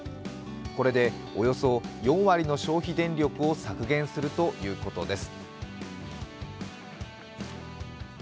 これでおよそ４割の消費電力を削減するということです。